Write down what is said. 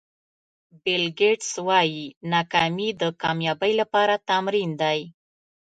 بیل ګېټس وایي ناکامي د کامیابۍ لپاره تمرین دی.